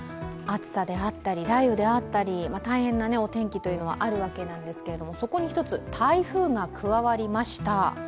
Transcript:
暑さであったり雷雨であったり大変なお天気はあるわけなんですけどそこに一つ台風が加わりました。